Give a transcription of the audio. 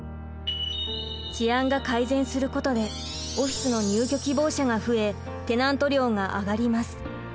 治安が改善することでオフィスの入居希望者が増えテナント料が上がります。